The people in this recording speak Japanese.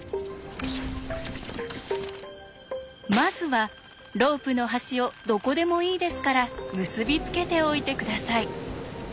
まずはロープの端をどこでもいいですから結び付けておいて下さい。